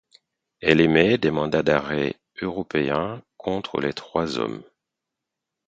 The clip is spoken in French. Elle émet des mandats d'arrêt européens contre les trois hommes.